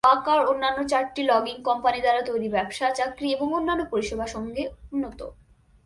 ওয়াকার অন্যান্য চারটি logging company দ্বারা তৈরি ব্যবসা, চাকরি এবং অন্যান্য পরিষেবা সঙ্গে উন্নত।